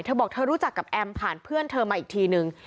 บอกเธอรู้จักกับแอมผ่านเพื่อนเธอมาอีกทีนึง